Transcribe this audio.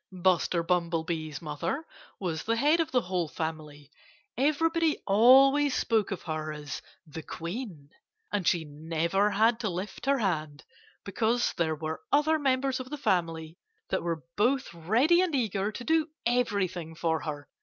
Buster Bumblebee's mother was the head of the whole family. Everybody always spoke of her as "the Queen." And she never had to lift her hand, because there were other members of the family that were both ready and eager to do everything for her.